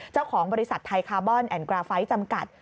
เจ้าของบริษัทไทยคาร์บอนแอนกราไฟท์จำกัด